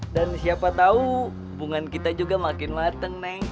dan siapa tau hubungan kita juga makin mateng neng